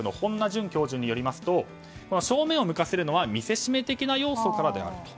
純教授によりますと正面を向かせるのは見せしめ的な要素からである。